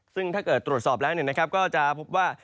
ซึ่งถ้าเกิดตรวจสอบแล้วก็จะพบว่า